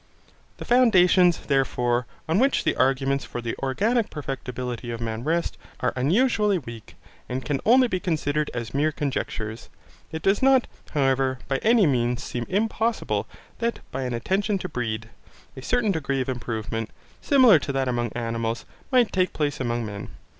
The foundations, therefore, on which the arguments for the organic perfectibility of man rest, are unusually weak, and can only be considered as mere conjectures. It does not, however, by any means seem impossible that by an attention to breed, a certain degree of improvement, similar to that among animals, might take place among men.